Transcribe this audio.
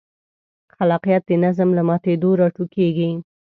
خلاقیت د نظم له ماتېدو راټوکېږي.